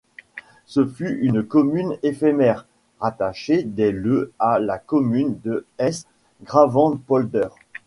Ce fut une commune éphémère, rattachée dès le à la commune de 's-Gravenpolder.